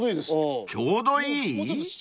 ［ちょうどいい？］